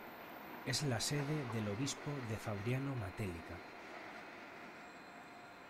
Es la sede del Obispo de Fabriano-Matelica.